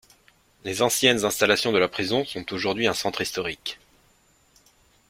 Les anciennes installations de la prison sont aujourd'hui un centre historique.